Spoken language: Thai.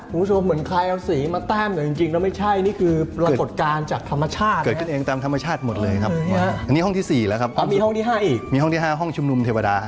ห้องที่สี่แล้วครับมีห้องที่ห้าอีกมีห้องที่ห้าห้องชุมนุมเทวดา